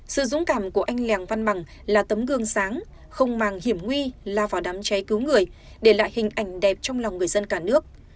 sự dũng cảm của anh lèng văn bằng là tấm gương sáng không màng hiểm nguy lao vào đám cháy cứu người để lại hình ảnh đẹp trong lòng người dân cả nước